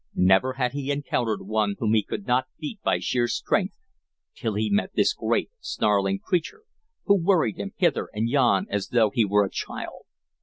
Never had he encountered one whom he could not beat by sheer strength till he met this great, snarling creature who worried him hither and yon as though he were a child.